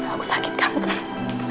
aku sakitkan kamu